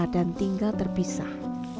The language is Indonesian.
dan tinggal terpisah